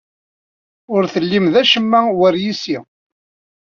Ur tellim d acemma war yes-i.